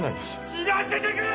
死なせてくれ！